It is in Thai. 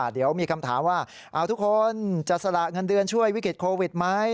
เดี๋ยวมีคำถามว่าทุกคนจะสละเงินเดือนช่วยวิกฤตโควิดไหม